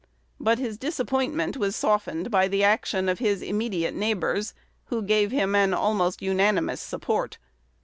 But his disappointment was softened by the action of his immediate neighbors, who gave him an almost unanimous support.